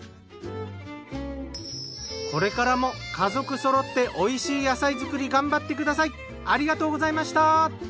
これからも家族そろっておいしい野菜作り頑張ってください。